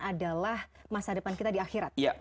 adalah masa depan kita di akhirat